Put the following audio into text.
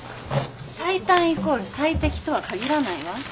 最短イコール最適とは限らないわ。